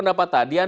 pada saat kwe seung